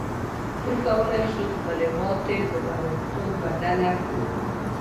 موږ کولی شو خپله ماتې پر برياليتوب بدله کړو.